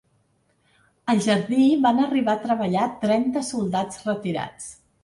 Al jardí van arribar a treballar trenta soldats retirats.